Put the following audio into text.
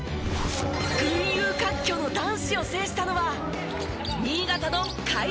群雄割拠の男子を制したのは新潟の開志国際。